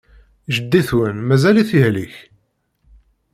Jeddi-twen mazal-it yehlek?